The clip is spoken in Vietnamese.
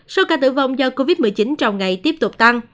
số ca tử vong do covid một mươi chín trong ngày tiếp tục tăng